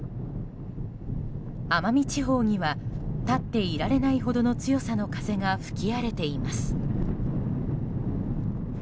奄美地方には立っていられないほどの強さの風が吹き荒れています。